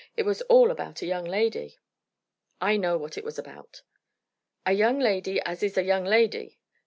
It was all about a young lady." "I know what it was about." "A young lady as is a young lady."